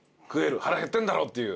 腹減ってるんだろっていう。